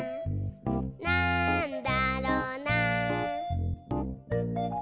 「なんだろな？」